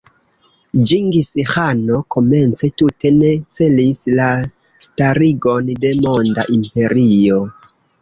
Ĝingis-ĥano komence tute ne celis la starigon de monda imperio.